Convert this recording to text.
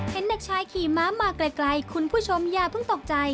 เห็นเด็กชายขี่ม้ามาไกลคุณผู้ชมอย่าเพิ่งตกใจ